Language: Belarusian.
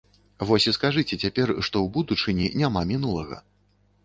Вось і скажыце цяпер, што ў будучыні няма мінулага.